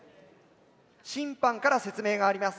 審判から説明があります。